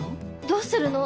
どうするの？